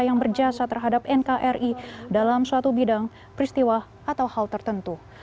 yang berjasa terhadap nkri dalam suatu bidang peristiwa atau hal tertentu